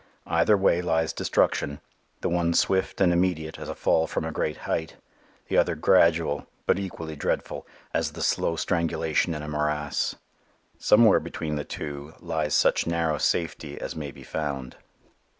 Either way lies destruction; the one swift and immediate as a fall from a great height; the other gradual, but equally dreadful, as the slow strangulation in a morass. Somewhere between the two lies such narrow safety as may be found.